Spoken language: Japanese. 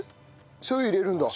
しょう油入れるんだ。